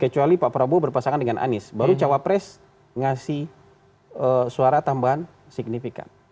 kecuali pak prabowo berpasangan dengan anies baru cawapres ngasih suara tambahan signifikan